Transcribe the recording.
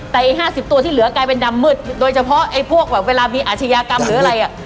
แต่อีก๕๐ตัวที่เหลือกลายเป็นดำมืดโดยเฉพาะไอ้พวกแบบเวลามีอาชญากรรมหรืออะไรอ่ะ